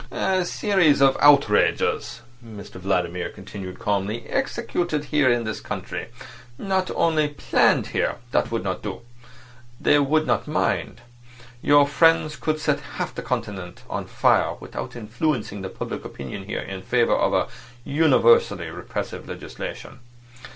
"A series of outrages," Mr Vladimir continued calmly, "executed here in this country; not only planned here—that would not do—they would not mind. Your friends could set half the Continent on fire without influencing the public opinion here in favour of a universal repressive legislation.